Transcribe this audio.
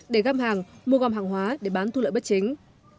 để găm hàng mua gom hàng hóa để bán thu lợi bất chính